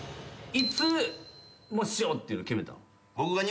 いつしようっていうの決めたの？